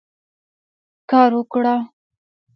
کار وکړه.